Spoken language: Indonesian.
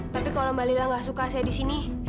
tapi kalau mbak lila gak suka saya di sini